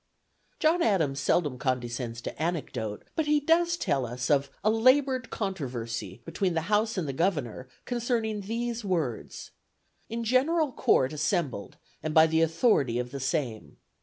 John Adams seldom condescends to anecdote, but he does tell us of "a labored controversy, between the House and the Governor, concerning these words: 'In General Court assembled, and by the authority of the same.'